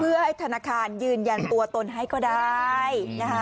เพื่อให้ธนาคารยืนยันตัวตนให้ก็ได้นะคะ